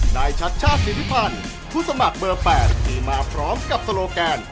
นายชัดชาติสิทธิพันธ์ผู้สมัครเบอร์๘ที่มาพร้อมกับโซโลแกน